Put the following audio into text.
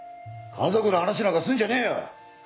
家族の話なんかすんじゃねえよ！